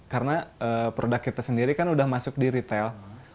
karena produk kita sendiri kan udah masuk di retail